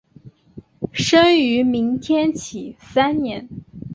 生于明天启三年。